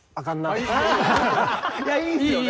いやいいですよね？